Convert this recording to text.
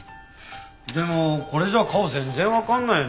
でもこれじゃ顔全然わかんないね。